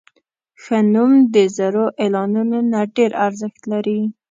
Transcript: ښه نوم د زرو اعلانونو نه ډېر ارزښت لري.